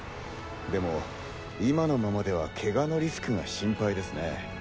でも今のままではケガのリスクが心配ですね。